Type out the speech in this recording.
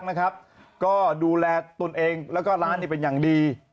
นะครับก็ดูแลตนเองแล้วก็ร้านเป็นอย่างดี